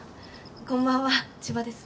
こんばんは千葉です。